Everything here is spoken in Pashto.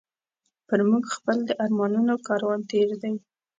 پر موږ خپل د ارمانونو کاروان تېر دی